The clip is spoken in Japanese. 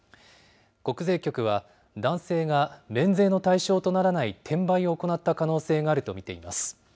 国税局は、男性が免税の対象とならない転売を行った可能性があると見ています。